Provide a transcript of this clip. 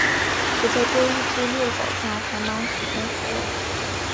只在周一至六早上繁忙时间服务。